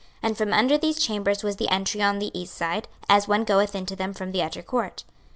26:042:009 And from under these chambers was the entry on the east side, as one goeth into them from the utter court.